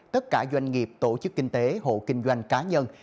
tất cả doanh nghiệp tổ chức kinh tế hộ kinh doanh cá nhân